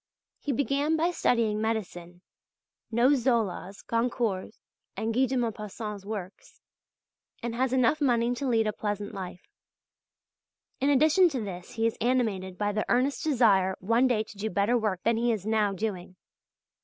He began by studying medicine; knows Zola's, Goncourt's, and Guy de Maupassant's works, and has enough money to lead a pleasant life. In addition to this he is animated by the earnest desire one day to do better work than he is now doing.